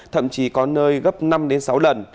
thậm chí có nơi gấp năm sáu lần